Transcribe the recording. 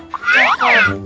iya pak dek